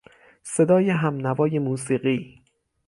صدای همنوای موسیقی